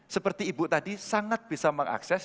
seperti ibu tadi sangat bisa mengakses